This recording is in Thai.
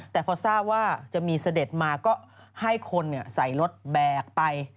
แต่พอทราบว่าจะมีเสด็จมาก็ให้คนใส่รถแบกไป